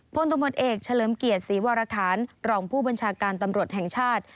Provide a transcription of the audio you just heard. พลตำรวจเอกเฉลิมเกียรติศรีวรคารรองผู้บัญชาการตำรวจแห่งชาติ